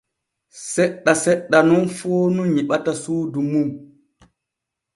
Seɗɗa seɗɗa nun foonu nyiɓata suudu mum.